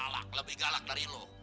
lebih galak dari lo